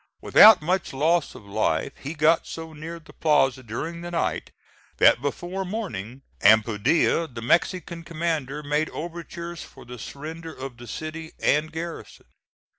Without much loss of life, he got so near the plaza during the night that before morning, Ampudia, the Mexican commander, made overtures for the surrender of the city and garrison.